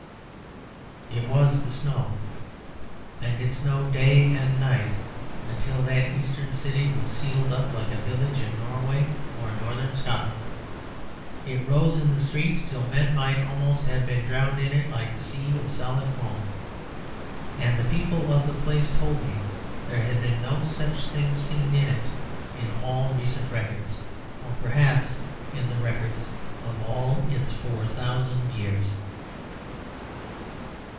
It was the snow; and it snowed day and night until that Eastern city was sealed up like a village in Norway or Northern Scotland. It rose in the streets till men might almost have been drowned in it like a sea of solid foam. And the people of the place told me there had been no such thing seen in it in all recent records, or perhaps in the records of all its four thousand years.